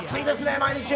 毎日。